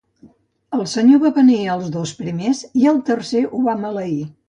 El senyor va beneir als dos primers i al tercer ho va maleir.